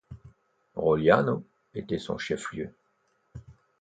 Rogliano était son chef-lieu.